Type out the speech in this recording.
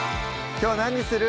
きょう何にする？